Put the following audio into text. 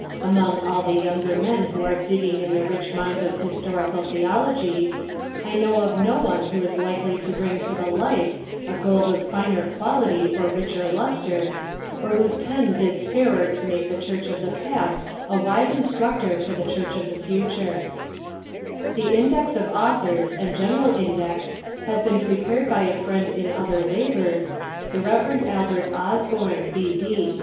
Among all the younger men who are digging in the rich mines of Historical Theology, I know of no one who is likely to bring to the light a gold of finer quality or richer lustre, or whose pen bids fairer to make the Church of the Past a wise instructor for the Church of the Future, The Index of Authors and General Index has been prepared by a friend in other labors, the Rev. Albert Osborn, B.